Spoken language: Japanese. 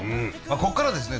ここからですね